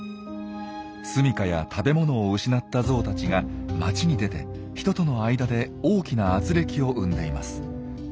住みかや食べ物を失ったゾウたちが街に出て人との間で大きな軋轢を生んでいます。